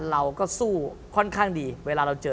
เราก็สู้ค่อนข้างดีเวลาเราเจอ